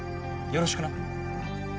よろしく。